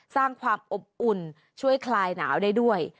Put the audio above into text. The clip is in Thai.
สร้างความอบอุ่นช่วยคลายหนาวได้ด้วย